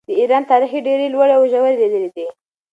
د ایران تاریخ ډېرې لوړې او ژورې لیدلې دي.